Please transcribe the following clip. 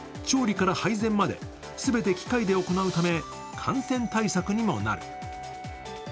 調理から配膳まで全て機械で行うため、感染対策にもなる。